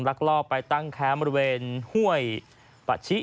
ลักลอบไปตั้งแคมป์บริเวณห้วยปะชิ